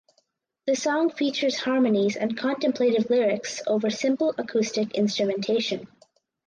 The song features harmonies and "contemplative lyrics" over "simple acoustic instrumentation".